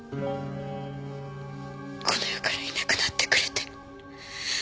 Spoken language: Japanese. この世からいなくなってくれて。